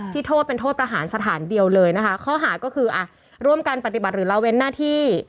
โทษเป็นโทษประหารสถานเดียวเลยนะคะข้อหาก็คืออ่ะร่วมกันปฏิบัติหรือละเว้นหน้าที่